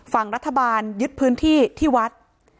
ฝั่งรัฐบาลยึดพื้นที่ที่วัด